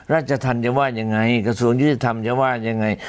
ราชธรรมจะว่ายังไงกระทรวงยุติธรรมจะว่ายังไง